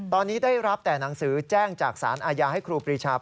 ตอนนี้ได้รับแต่หนังสือแจ้งจากสารอาญาให้ครูปรีชา